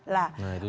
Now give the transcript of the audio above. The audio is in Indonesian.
nah itu dia